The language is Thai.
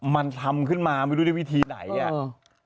มันทำขึ้นมาไม่รู้ได้วิธีไหน